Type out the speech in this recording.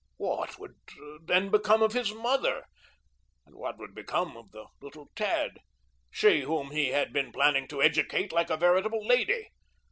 What would then become of his mother and what would become of the little tad? She, whom he had been planning to educate like a veritable lady.